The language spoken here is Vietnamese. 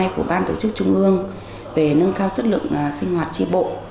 của ban tổ chức trung ương về nâng cao chất lượng sinh hoạt tri bộ